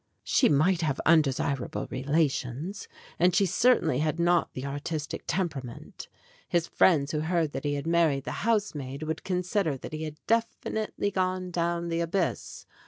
She might have undesirable relations, and she cer tainly had not the artistic temperament; his friends who heard that he had married the housemaid would consider that he had definitely gone down the abyss.